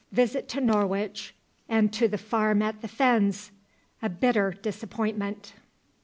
VISIT TO NORWICH AND TO THE FARM AT THE FENS A BITTER DISAPPOINTMENT.